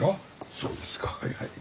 そうですかはいはい。